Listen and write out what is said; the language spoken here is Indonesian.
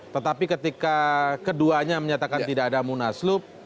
tetapi ketika keduanya menyatakan tidak ada munaslup